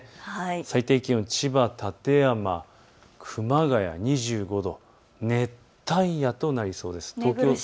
最低気温、千葉、館山、熊谷２５度、熱帯夜となりそうです。